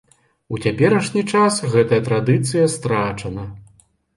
У цяперашні час гэтая традыцыя страчана.